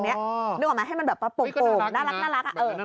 นึกออกมาให้มันแบบปลงน่ารัก